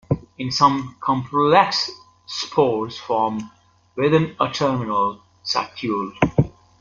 In some, complex spores form within a terminal saccule.